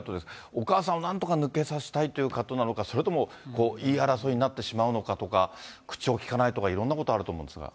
お母さんをなんとか抜けさせたいという葛藤なのか、それとも、言い争いになってしまうのかとか、口をきかないとかいろんなことがあると思うんですが。